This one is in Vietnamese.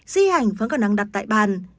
di hành vẫn còn nắng đặt tại bàn